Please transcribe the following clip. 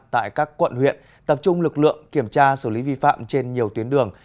tại các quận huyện tập trung lực lượng kiểm tra xử lý vi phạm trên nhiều tuyến đường